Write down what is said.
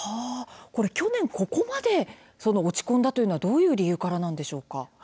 去年ここまで落ち込んだというのはどういう理由でしょうか。